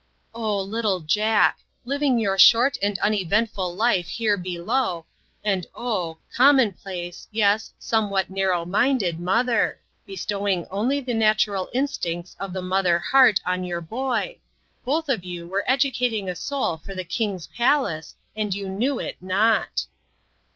Oh, little Jack ! living your short and uneventful life here below, and oh ! commonplace, yes, somewhat narrow minded mother ! bestowing only the natural instincts of the mother heart on your boy both of you were educating a soul for the King's palace, and you knew it not